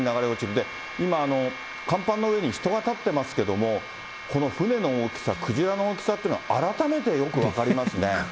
で、今、甲板の上に人が立ってますけれども、この船の大きさ、クジラの大きさっていうのは、改めてよく分かりますね。